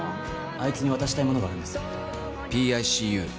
あいつに渡したいものがあるんです。